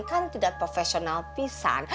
kan tidak profesional pisan